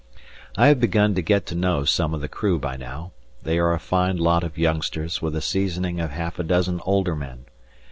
I have begun to get to know some of the crew by now; they are a fine lot of youngsters with a seasoning of half a dozen older men.